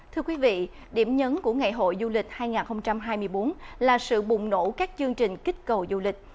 thưa quý vị điểm nhấn của ngày hội du lịch hai nghìn hai mươi bốn là sự bùng nổ các chương trình kích cầu du lịch